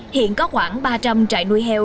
hiện có khoảng ba trăm linh trại nuôi heo